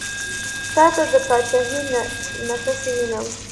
تاته د پاچهي نخښې وینم.